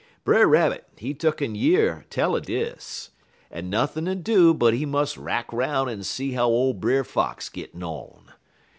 "Brer Rabbit, he tuck'n year tell er dis, en nothin'd do but he mus' rack 'roun' en see how ole Brer Fox gittin' on.